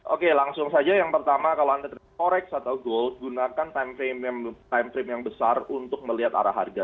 oke langsung saja yang pertama kalau anda treat corex atau gold gunakan time frame yang besar untuk melihat arah harga